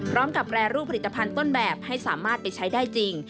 แปรรูปผลิตภัณฑ์ต้นแบบให้สามารถไปใช้ได้จริง